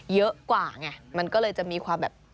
เยอะกว่าไงมันก็เลยจะมีความแบบ